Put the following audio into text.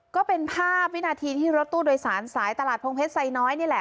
ก็เป็นภาพวินาทีที่รถตู้โดยสารสายตลาดพงเพชรไซน้อยนี่แหละ